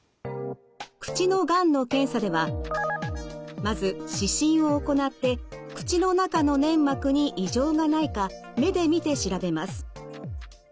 口のがんの検査ではまず視診を行って口の中の粘膜に異常がないか目で見て調べます。